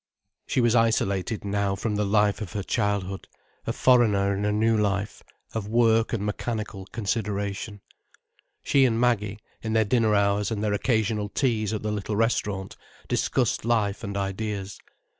She was isolated now from the life of her childhood, a foreigner in a new life, of work and mechanical consideration. She and Maggie, in their dinner hours and their occasional teas at the little restaurant, discussed life and ideas.